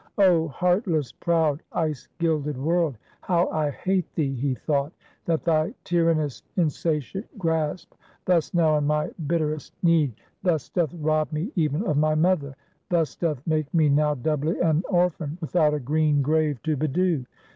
Oh heartless, proud, ice gilded world, how I hate thee, he thought, that thy tyrannous, insatiate grasp, thus now in my bitterest need thus doth rob me even of my mother; thus doth make me now doubly an orphan, without a green grave to bedew.